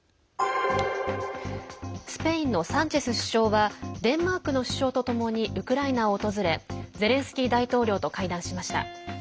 スペインのサンチェス首相はデンマークの首相とともにウクライナを訪れゼレンスキー大統領と会談しました。